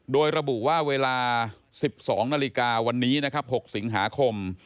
โดยระบุว่าเวลา๑๒นาฬิกาวันนี้นะครับ๖สิงหาคม